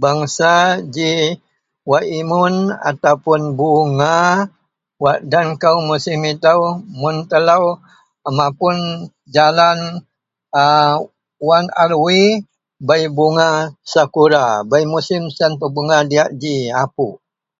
Bengsa ji wak imun ataupun bunga wak den kou musim itou mun telou mapun jalan a Wan Alwi bei bunga sekura. Bei musim siyen pebunga diyak ji, apuok